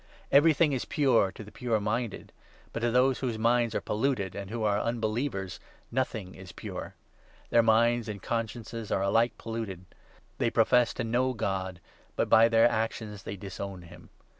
Everything is pure to the pure 15 minded, but to those whose minds are polluted and who are unbelievers nothing is pure. Their minds and consciences are alike polluted. They profess to know God, but by their 16 actions they disown him.